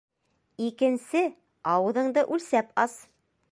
Икенсе ауыҙыңды үлсәп ас!